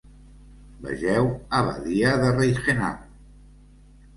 Vegeu Abadia de Reichenau.